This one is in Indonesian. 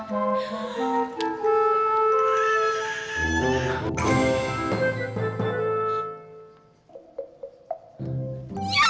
yes aku bisa